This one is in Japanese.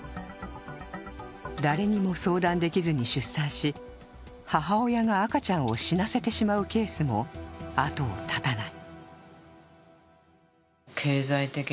誰にも相談できずに出産し、母親が赤ちゃんを死なせてしまうケースも後を絶たない。